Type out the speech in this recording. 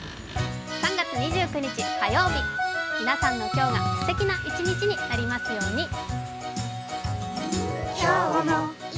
３月２９日火曜日、皆さんの今日がすてきな一日になりますように。